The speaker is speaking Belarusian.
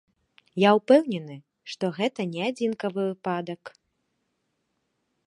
Я ўпэўнены, што гэта не адзінкавы выпадак.